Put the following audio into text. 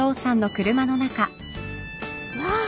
わあ！